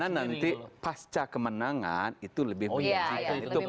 karena nanti pasca kemenangan itu lebih mudah